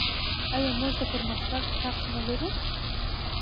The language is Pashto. آیا موږ د پرمختګ حق نلرو؟